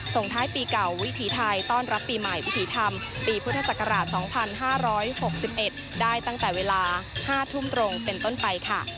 ส่งท้ายปีเก่าวิถีไทยต้อนรับปีใหม่วิถีธรรมปีพุทธศักราช๒๕๖๑ได้ตั้งแต่เวลา๕ทุ่มตรงเป็นต้นไปค่ะ